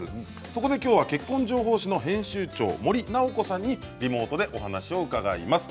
そこできょうは結婚情報誌の編集長、森奈織子さんにリモートでお話を伺います。